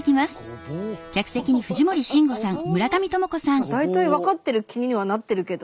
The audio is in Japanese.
ごぼうの？大体分かってる気にはなってるけど。